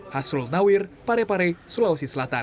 hasrul nawir parepare sulawesi selatan